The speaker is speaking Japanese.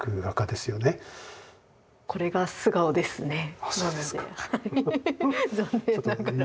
これが素顔ですね。